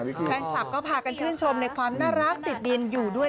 แฟนคลับก็พากันชื่นชมในความน่ารักติดดินอยู่ด้วย